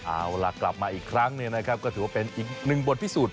เอาล่ะกลับมาอีกครั้งเนี่ยนะครับก็ถือว่าเป็นอีกหนึ่งบทพิสูจน